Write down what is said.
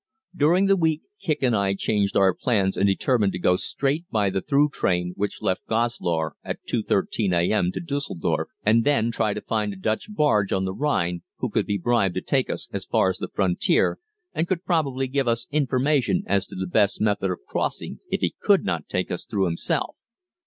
During the week Kicq and I changed our plans and determined to go straight by the through train which left Goslar at 2.13 a.m. to Düsseldorf, and then try to find a Dutch bargee on the Rhine, who could be bribed to take us as far as the frontier and could probably give us information as to the best method of crossing if he could not take us through himself.